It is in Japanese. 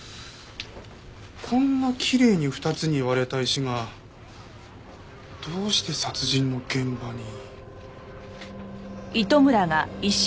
こんなきれいに２つに割れた石がどうして殺人の現場に？